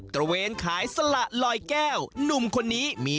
ระเวนขายสละลอยแก้วหนุ่มคนนี้มี